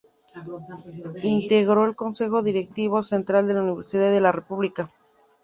Integró el Consejo Directivo Central de la Universidad de la República.